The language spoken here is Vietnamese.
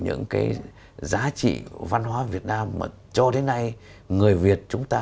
những cái giá trị văn hóa việt nam mà cho đến nay người việt chúng ta